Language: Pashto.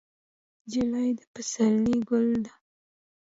نجلۍ د پسرلي ګل ده.